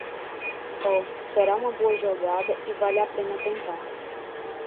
Oh, será uma boa jogada e vale a pena tentar.